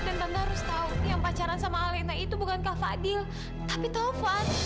dan tante harus tau yang pacaran sama alina itu bukan kak fadil tapi taufan